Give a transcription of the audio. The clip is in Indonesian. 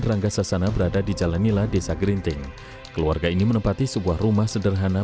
rangga sasana berada di jalan nila desa gerinting keluarga ini menempati sebuah rumah sederhana